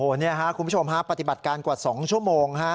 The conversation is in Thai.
โอ้เนี้ยฮะคุณผู้ชมฮะปฏิบัติการกว่าสองชั่วโมงฮะ